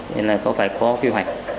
nên là có phải có quy hoạch